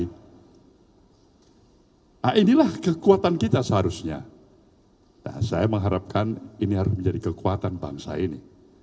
nah inilah kekuatan kita seharusnya saya mengharapkan ini harus menjadi kekuatan bangsa ini